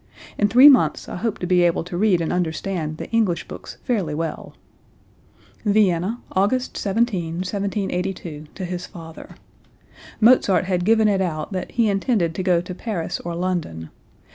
In three months I hope to be able to read and understand the English books fairly well." (Vienna, August 17, 1782, to his father. Mozart had given it out that he intended to go to Paris or London.